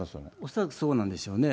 恐らくそうなんでしょうね。